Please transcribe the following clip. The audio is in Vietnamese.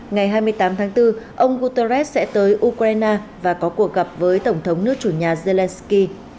ngày hai mươi tám tháng bốn ông guterres sẽ tới ukraine và có cuộc gặp với tổng thống nước chủ nhà zelensky